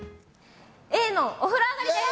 Ａのお風呂あがりです。